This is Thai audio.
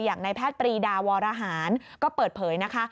อย่างในแพทย์ปรีดาวรหารก็เปิดเผยนะคะ